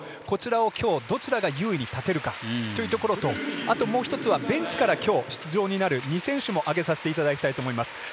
こちらをきょう、どちらが優位に立てるかというところとあと、もう一つはベンチからきょう出場になる２選手も挙げさせていただきたいと思います。